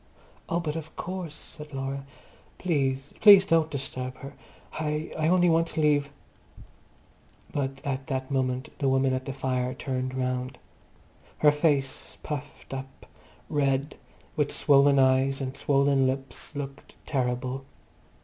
"Oh, but of course!" said Laura. "Please, please don't disturb her. I—I only want to leave—" But at that moment the woman at the fire turned round. Her face, puffed up, red, with swollen eyes and swollen lips, looked terrible.